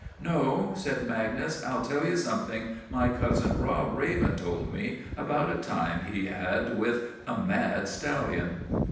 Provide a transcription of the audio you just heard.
"No," said Magnus; "I'll tell you something my cousin Bob Raven told me about a time he had with— 'A MAD STALLION.